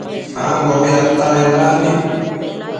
Ambo datanendanbi